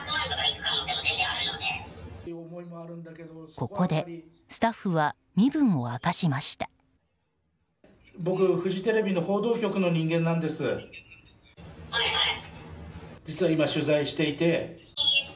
ここでスタッフは身分を明かしました。